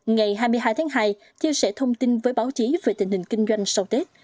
ngày hai mươi hai tháng hai chia sẻ thông tin với báo chí về tình hình kinh doanh sau tết